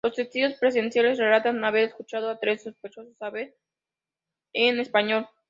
Los testigos presenciales relatan haber escuchado a tres sospechosos hablar en español.